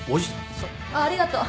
あっありがとう。